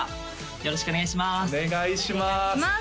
よろしくお願いします